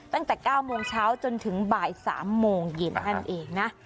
ตั้งแต่๙โมงเช้าจนถึงบ่าย๓โมงเย็นนั่นเองนะ